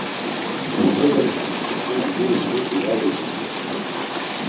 Kodobğamt̆u ama guris muti var uğut̆u.